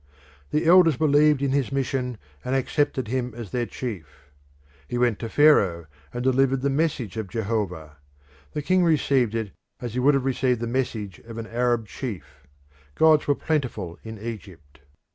The elders believed in his mission and accepted him as their chief. He went to Pharaoh and delivered the message of Jehovah: the king received it as he would have received the message of an Arab chief gods were plentiful in Egypt.